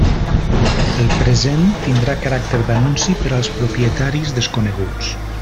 El present tindrà caràcter d'anunci per als propietaris desconeguts.